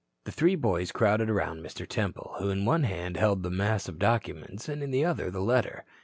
The three boys crowded around Mr. Temple, who in one hand held the mass of documents and in the other the letter.